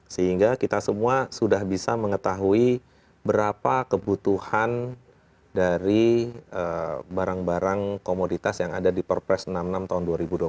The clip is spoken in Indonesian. sehingga kita semua sudah bisa mengetahui berapa kebutuhan dari barang barang komoditas yang ada di perpres enam puluh enam tahun dua ribu dua puluh